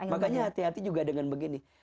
makanya hati hati juga dengan begini